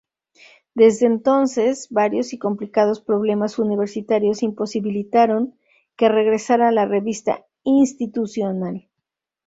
Desde entonces, varios y complicados problemas universitarios imposibilitaron que regresara la revista institucional.